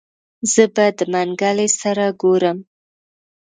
زه به د منګلي سره ګورم.